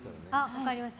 分かりました。